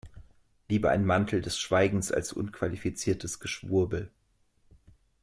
Lieber ein Mantel des Schweigens als unqualifiziertes Geschwurbel.